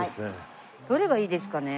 どれがいいですかね？